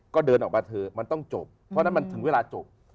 ก็เดินออกมาเถอะมันต้องจบเพราะฉะนั้นมันถึงเวลาจบ